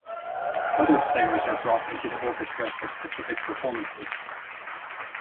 Other players are brought into the orchestra for specific performances.